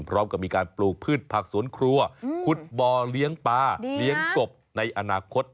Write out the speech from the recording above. พร้อมกับมีการปลูกพืชผักสวนครัวขุดบ่อเลี้ยงปลาเลี้ยงกบในอนาคต